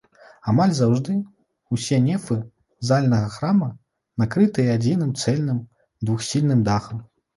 Амаль заўжды ўсе нефы зальнага храма накрытыя адзіным цэльным двухсхільным дахам.